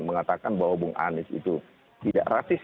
mengatakan bahwa bung anies itu tidak rasis